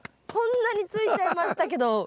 こんなに付いちゃいましたけど。